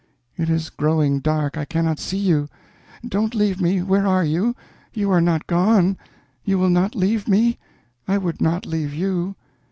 It is growing dark I cannot see you. Don't leave me where are you? You are not gone? You will not leave me? I would not leave you."